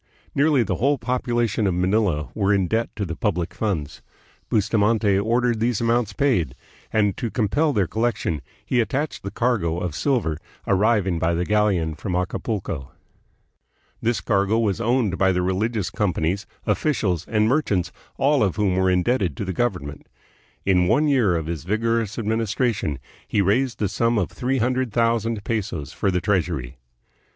Nearly the whole population of Manila were in debt to the public funds. Bustamante ordered 218 THE PHILIPPINES. these amounts paid, and to compel their collection he attached the cargo of silver arriving by the galleon from Acapulco. This cargo was owned by the religious com panies, officials, and merchants, all of whom were in debted to the government. In one year of his vigorous administration he raised the sum of three hundred thou sand pesos for the treasury.